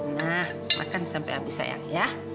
nah makan sampai habis sayang ya